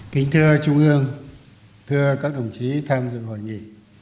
kính thưa trung ương thưa các đồng chí tham dự hội nghị